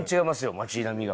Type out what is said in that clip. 街並みが。